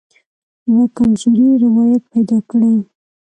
یوه کمزوری روایت پیدا کړي.